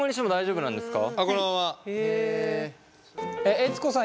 悦子さん